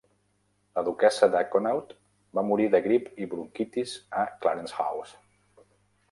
La duquessa de Connaught va morir de grip i bronquitis a Clarence House.